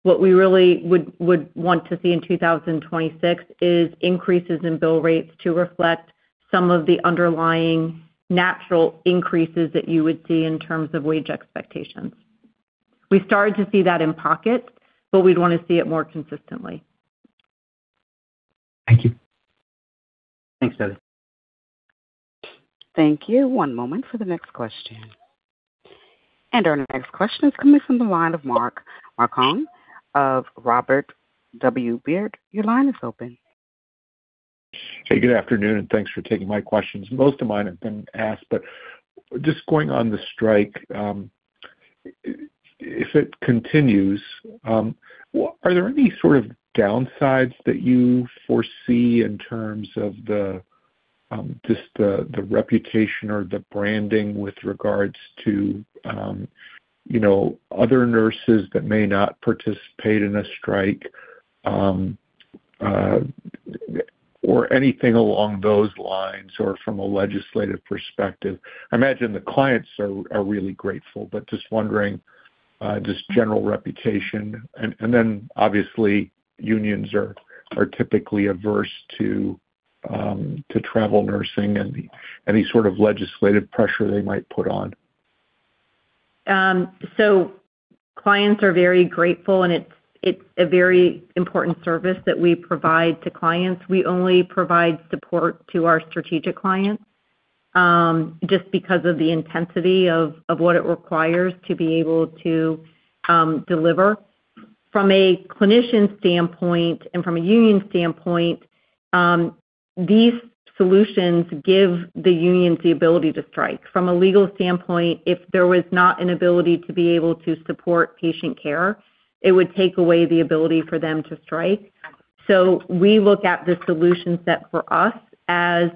What we really would want to see in 2026 is increases in bill rates to reflect some of the underlying natural increases that you would see in terms of wage expectations. We started to see that in pockets, but we'd want to see it more consistently. Thank you. Thanks, Tobey. Thank you. One moment for the next question. Our next question is coming from the line of Mark Marcon of Robert W. Baird. Your line is open. Hey, good afternoon, and thanks for taking my questions. Most of mine have been asked, but just going on the strike, if it continues, are there any sort of downsides that you foresee in terms of just the reputation or the branding with regards to you know other nurses that may not participate in a strike or anything along those lines or from a legislative perspective? I imagine the clients are really grateful, but just wondering just general reputation. And then obviously, unions are typically averse to travel nursing and any sort of legislative pressure they might put on. So clients are very grateful, and it's a very important service that we provide to clients. We only provide support to our strategic clients, just because of the intensity of what it requires to be able to deliver. From a clinician standpoint and from a union standpoint, these solutions give the unions the ability to strike. From a legal standpoint, if there was not an ability to be able to support patient care, it would take away the ability for them to strike. So we look at the solution set for us as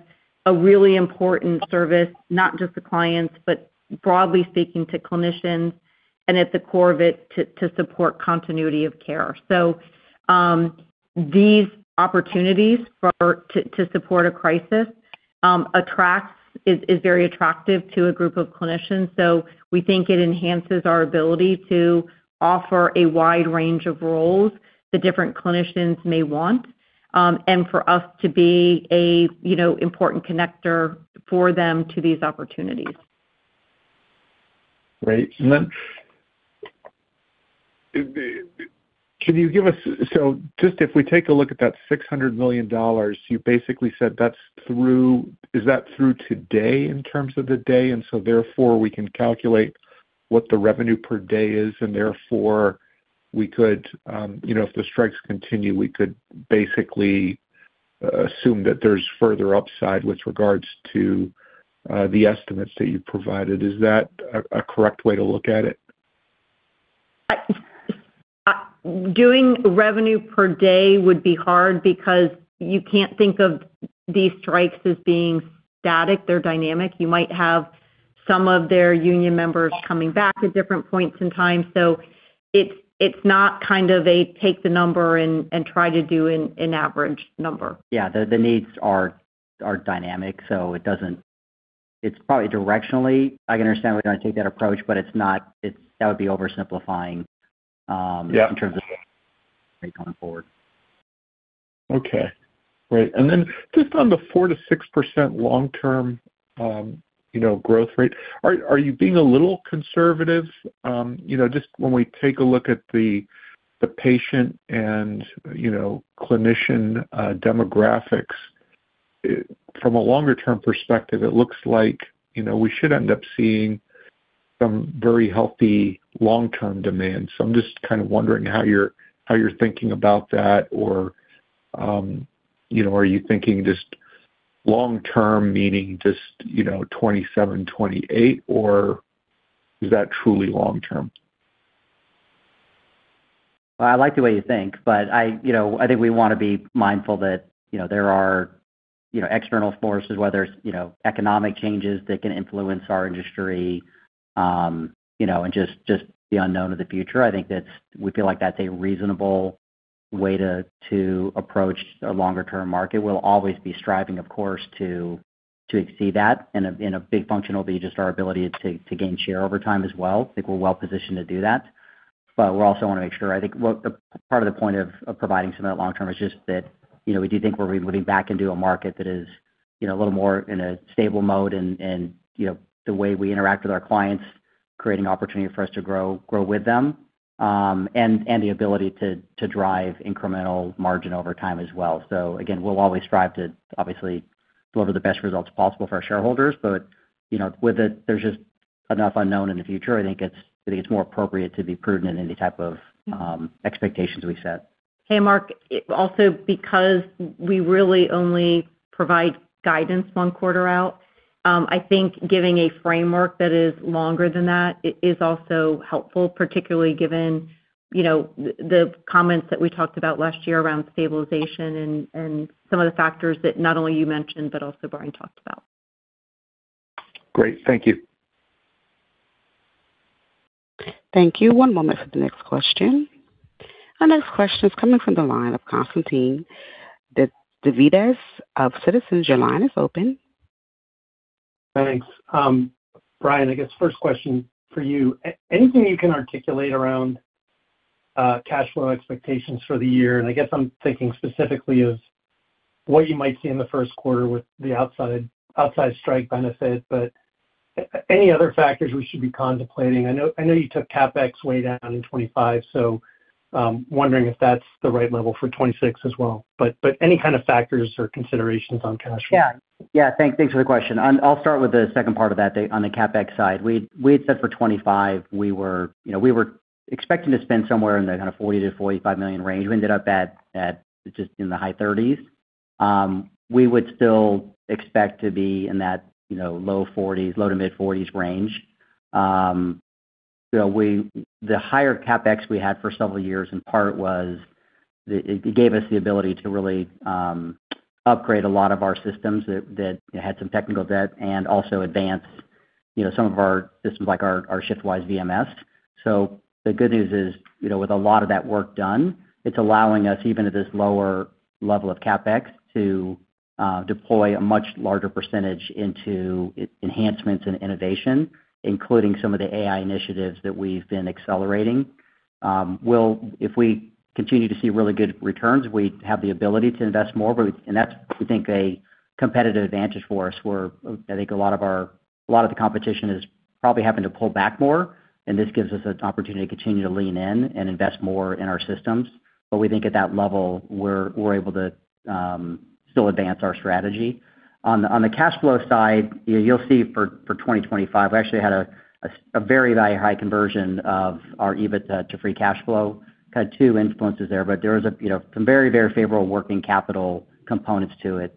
a really important service, not just to clients, but broadly speaking to clinicians, and at the core of it, to support continuity of care. So these opportunities to support a crisis is very attractive to a group of clinicians. We think it enhances our ability to offer a wide range of roles the different clinicians may want, and for us to be a, you know, important connector for them to these opportunities. Great. And then, can you give us— So just if we take a look at that $600 million, you basically said that's through. Is that through today in terms of the day, and so therefore, we can calculate what the revenue per day is, and therefore, we could, you know, if the strikes continue, we could basically, assume that there's further upside with regards to, the estimates that you've provided. Is that a, a correct way to look at it? I, doing revenue per day would be hard because you can't think of these strikes as being static, they're dynamic. You might have some of their union members coming back at different points in time. So it's not kind of a take the number and try to do an average number. Yeah. The needs are dynamic, so it doesn't. It's probably directionally. I can understand we're gonna take that approach, but it's not. It's that would be oversimplifying. Yeah. in terms of going forward. Okay. Great. And then just on the 4%-6% long-term, you know, growth rate, are you being a little conservative? You know, just when we take a look at the patient and, you know, clinician demographics from a longer-term perspective, it looks like, you know, we should end up seeing some very healthy long-term demand. So I'm just kind of wondering how you're thinking about that, or, you know, are you thinking just long term, meaning just, you know, 2027, 2028, or is that truly long term? Well, I like the way you think, but I, you know, I think we wanna be mindful that, you know, there are, you know, external forces, whether it's, you know, economic changes that can influence our industry, you know, and just, just the unknown of the future. I think that's, we feel like that's a reasonable way to, to approach a longer-term market. We'll always be striving, of course, to, to exceed that, and a, and a big function will be just our ability to, to gain share over time as well. I think we're well positioned to do that, but we also wanna make sure... I think what part of the point of providing some of that long term is just that, you know, we do think we'll be moving back into a market that is, you know, a little more in a stable mode, and you know, the way we interact with our clients, creating opportunity for us to grow, grow with them, and the ability to drive incremental margin over time as well. So again, we'll always strive to obviously deliver the best results possible for our shareholders, but you know, with it, there's just enough unknown in the future. I think it's more appropriate to be prudent in any type of expectations we set. Hey, Mark, also, because we really only provide guidance one quarter out, I think giving a framework that is longer than that is also helpful, particularly given, you know, the comments that we talked about last year around stabilization and some of the factors that not only you mentioned, but also Brian talked about. Great. Thank you. Thank you. One moment for the next question. Our next question is coming from the line of Constantine Davides of Citizens. Your line is open. Thanks. Brian, I guess first question for you. Anything you can articulate around cash flow expectations for the year? And I guess I'm thinking specifically of what you might see in the first quarter with the outsized strike benefit, but any other factors we should be contemplating? I know, I know you took CapEx way down in 2025, so wondering if that's the right level for 2026 as well. But, but any kind of factors or considerations on cash flow. Yeah. Yeah, thanks for the question. I'll start with the second part of that, the, on the CapEx side. We had said for 2025, we were, you know, we were expecting to spend somewhere in the kind of $40-45 million range. We ended up at just in the high 30s. We would still expect to be in that, you know, low 40s, low-to-mid 40s range. So the higher CapEx we had for several years, in part, was the, it gave us the ability to really upgrade a lot of our systems that had some technical debt and also advance, you know, some of our systems, like our ShiftWise VMS. So the good news is, you know, with a lot of that work done, it's allowing us, even at this lower level of CapEx, to deploy a much larger percentage into enhancements and innovation, including some of the AI initiatives that we've been accelerating. If we continue to see really good returns, we have the ability to invest more, but and that's, we think, a competitive advantage for us, where, I think a lot of the competition is probably having to pull back more, and this gives us an opportunity to continue to lean in and invest more in our systems. But we think at that level, we're able to still advance our strategy. On the cash flow side, you'll see for 2025, we actually had a very, very high conversion of our EBITDA to free cash flow. Had two influences there, but there was a, you know, some very, very favorable working capital components to it,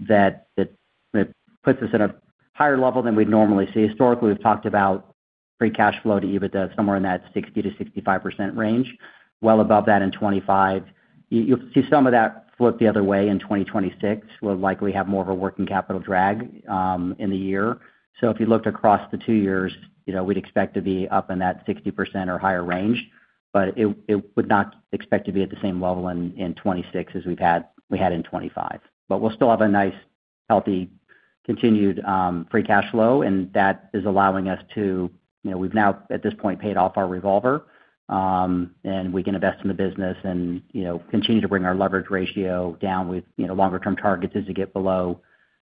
that, that puts us at a higher level than we'd normally see. Historically, we've talked about free cash flow to EBITDA somewhere in that 60%-65% range, well above that in 2025. You, you'll see some of that flip the other way in 2026. We'll likely have more of a working capital drag, in the year. So if you looked across the two years, you know, we'd expect to be up in that 60% or higher range, but it, it would not expect to be at the same level in, in 2026 as we've had we had in 2025. But we'll still have a nice, healthy, continued free cash flow, and that is allowing us to, you know, we've now, at this point, paid off our revolver, and we can invest in the business and, you know, continue to bring our leverage ratio down with, you know, longer-term targets is to get below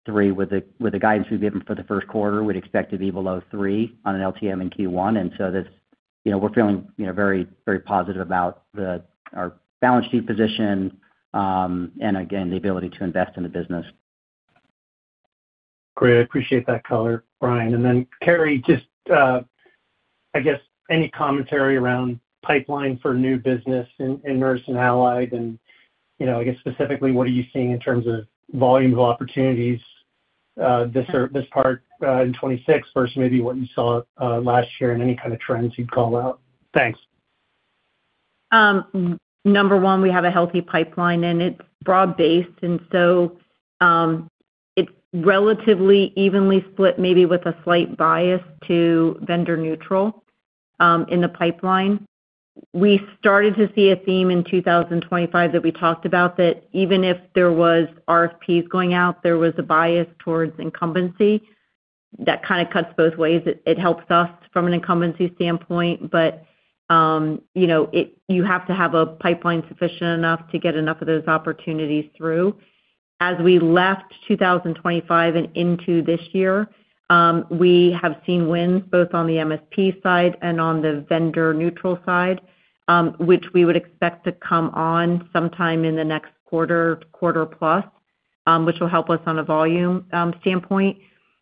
three. With the guidance we've given for the first quarter, we'd expect to be below three on an LTM in Q1. And so this, you know, we're feeling, you know, very, very positive about our balance sheet position, and again, the ability to invest in the business. Great. I appreciate that color, Brian. And then, Cary, just, I guess, any commentary around pipeline for new business in Nurse and Allied and, you know, I guess specifically, what are you seeing in terms of volume of opportunities, this or this part, in 2026 versus maybe what you saw, last year and any kind of trends you'd call out? Thanks. Number one, we have a healthy pipeline, and it's broad-based, and so, it's relatively evenly split, maybe with a slight bias to vendor neutral, in the pipeline. We started to see a theme in 2025 that we talked about, that even if there was RFPs going out, there was a bias towards incumbency. That kind of cuts both ways. It helps us from an incumbency standpoint, but, you know, it—you have to have a pipeline sufficient enough to get enough of those opportunities through. As we left 2025 and into this year, we have seen wins both on the MSP side and on the vendor neutral side, which we would expect to come on sometime in the next quarter, quarter plus, which will help us on a volume standpoint.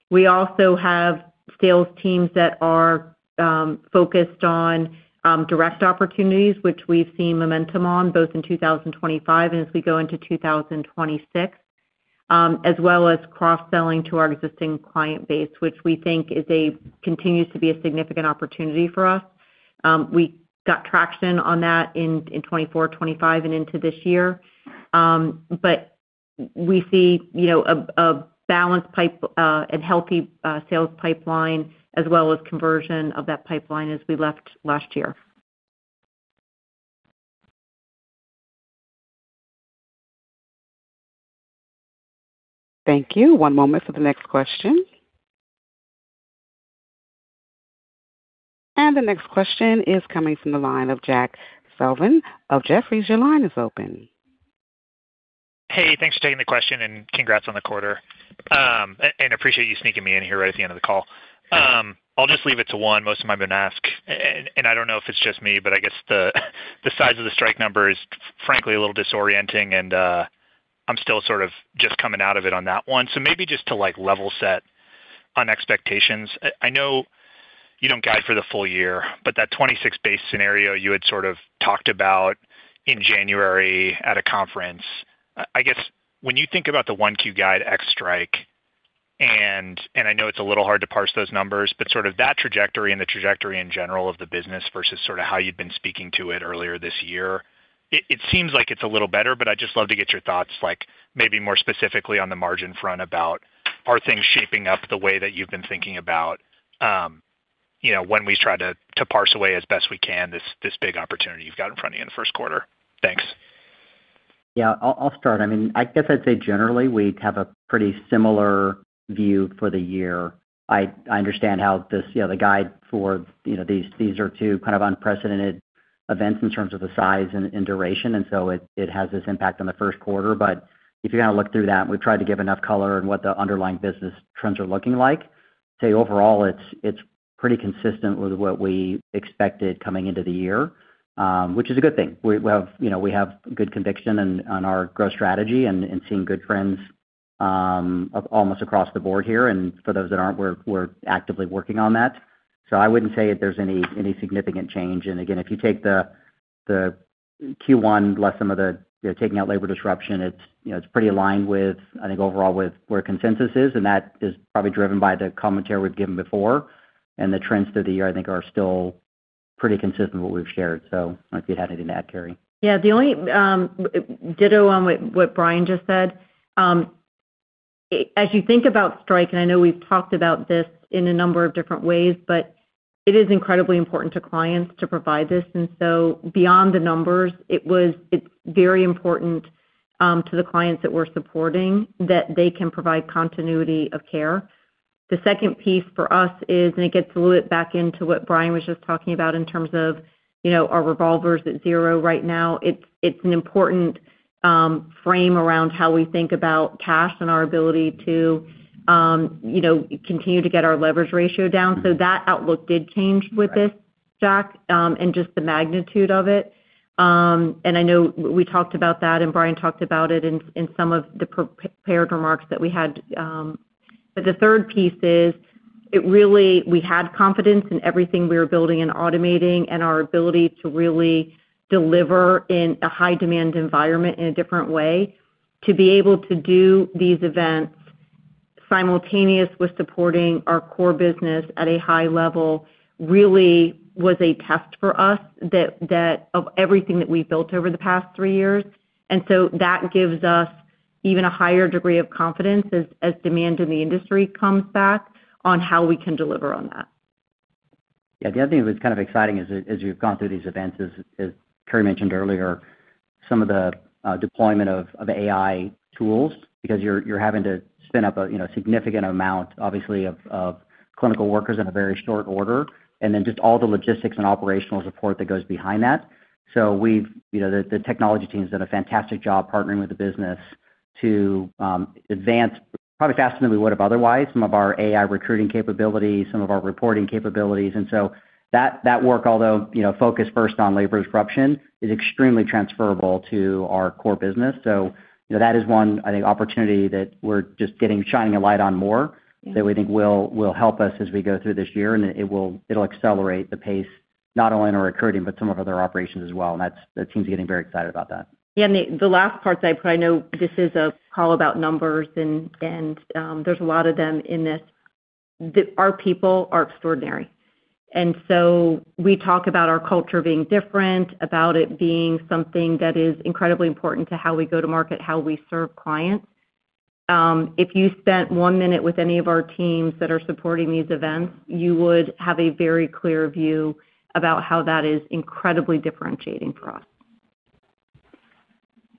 We also have sales teams that are focused on direct opportunities, which we've seen momentum on both in 2025 and as we go into 2026, as well as cross-selling to our existing client base, which we think is a continues to be a significant opportunity for us. We got traction on that in 2024, 2025 and into this year. But we see, you know, a balanced pipe and healthy sales pipeline as well as conversion of that pipeline as we left last year. Thank you. One moment for the next question. The next question is coming from the line of Jack Slevin of Jefferies. Your line is open. Hey, thanks for taking the question, and congrats on the quarter. And appreciate you sneaking me in here right at the end of the call. I'll just leave it to one. Most of them have been asked, and I don't know if it's just me, but I guess the size of the strike number is frankly a little disorientating, and I'm still sort of just coming out of it on that one. So maybe just to, like, level set on expectations. I know you don't guide for the full year, but that 26 base scenario you had sort of talked about in January at a conference, I guess when you think about the 1Q guide ex strike, and I know it's a little hard to parse those numbers, but sort of that trajectory and the trajectory in general of the business versus sort of how you've been speaking to it earlier this year, it seems like it's a little better, but I'd just love to get your thoughts, like, maybe more specifically on the margin front about, are things shaping up the way that you've been thinking about, you know, when we try to parse away as best we can, this big opportunity you've got in front of you in the first quarter? Thanks. Yeah, I'll start. I mean, I guess I'd say generally, we have a pretty similar view for the year. I understand how this, you know, the guide for, you know, these are two kind of unprecedented events in terms of the size and duration, and so it has this impact on the first quarter. But if you're going to look through that, we've tried to give enough color on what the underlying business trends are looking like. Say, overall, it's pretty consistent with what we expected coming into the year, which is a good thing. We have, you know, we have good conviction and on our growth strategy and seeing good trends almost across the board here, and for those that aren't, we're actively working on that. So I wouldn't say if there's any significant change. And again, if you take the Q1 lesson of you know taking out labor disruption, it's you know it's pretty aligned with I think overall with where consensus is, and that is probably driven by the commentary we've given before. And the trends through the year, I think, are still pretty consistent with what we've shared. So I don't know if you'd had anything to add, Cary. Yeah, the only ditto on what Brian just said. As you think about Strike, and I know we've talked about this in a number of different ways, but it is incredibly important to clients to provide this. And so beyond the numbers, it was, it's very important to the clients that we're supporting that they can provide continuity of care. The second piece for us is, and it gets a little bit back into what Brian was just talking about in terms of, you know, our revolvers at zero right now. It's an important frame around how we think about cash and our ability to, you know, continue to get our leverage ratio down. So that outlook did change with this, Jack, and just the magnitude of it. And I know we talked about that, and Brian talked about it in some of the prepared remarks that we had. But the third piece is, it really—we had confidence in everything we were building and automating and our ability to really deliver in a high-demand environment in a different way. To be able to do these events simultaneous with supporting our core business at a high level, really was a test for us, that of everything that we've built over the past three years. And so that gives us even a higher degree of confidence as demand in the industry comes back on how we can deliver on that. Yeah, the other thing that was kind of exciting is as you've gone through these events, as Cary mentioned earlier, some of the deployment of AI tools, because you're having to spin up, you know, a significant amount, obviously, of clinical workers in a very short order, and then just all the logistics and operational support that goes behind that. So we've, you know, the technology team has done a fantastic job partnering with the business to advance probably faster than we would have otherwise some of our AI recruiting capabilities, some of our reporting capabilities. And so that work, although, you know, focused first on labor disruption, is extremely transferable to our core business. So, you know, that is one, I think, opportunity that we're just getting shining a light on more, that we think will, will help us as we go through this year, and it will, it'll accelerate the pace, not only in our recruiting, but some of other operations as well. And that's, the team's getting very excited about that. Yeah, and the last part, I know this is a call about numbers, and there's a lot of them in this. Our people are extraordinary. And so we talk about our culture being different, about it being something that is incredibly important to how we go to market, how we serve clients. If you spent one minute with any of our teams that are supporting these events, you would have a very clear view about how that is incredibly differentiating for us.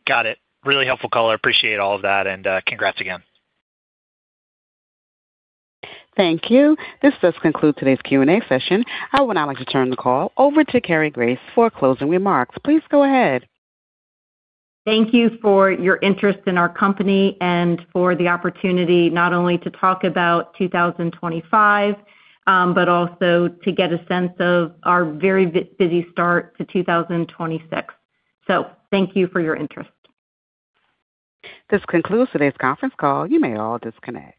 Got it. Really helpful call. I appreciate all of that, and, congrats again. Thank you. This does conclude today's Q&A session. I would now like to turn the call over to Cary Grace for closing remarks. Please go ahead. Thank you for your interest in our company and for the opportunity not only to talk about 2025, but also to get a sense of our very busy start to 2026. So thank you for your interest. This concludes today's conference call. You may all disconnect.